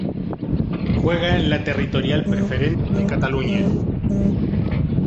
Juega en la Territorial Preferente de Cataluña.